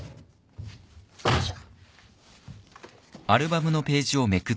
よいしょ。